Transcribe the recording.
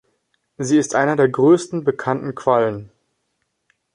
Sie ist eine der größten bekannten Quallen.